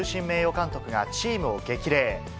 名誉監督がチームを激励。